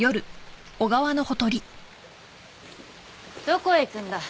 どこへ行くんだ？